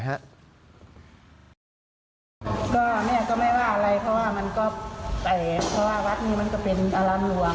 ก็แม่ก็ไม่ว่าอะไรเพราะว่ามันก็แปลกเพราะว่าวัดนี้มันก็เป็นอารันหลวง